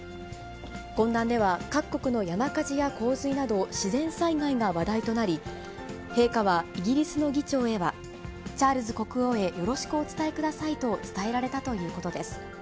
懇談では各国の山火事や洪水など、自然災害が話題となり、陛下はイギリスの議長へは、チャールズ国王へよろしくお伝えくださいと伝えられたということです。